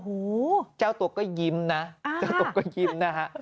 อู๋แจ้วตัวก็ยิ้มนะแจ้วตัวก็ยิ้มนะฮะ